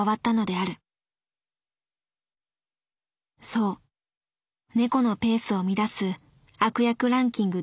そう猫のペースを乱す悪役ランキング